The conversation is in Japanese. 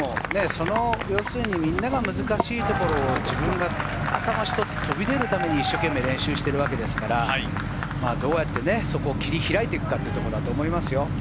みんなが難しいところを自分が頭一つ飛び出るために練習しているわけですから、どうやってそこを切り開いていくかだと思います。